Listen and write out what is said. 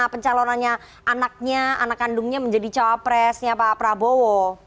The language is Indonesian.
pencalonannya anaknya anak kandungnya menjadi cowok presnya pak prabowo